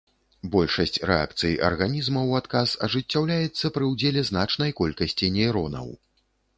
Большасць рэакцый арганізма ў адказ ажыццяўляецца пры ўдзеле значнай колькасці нейронаў.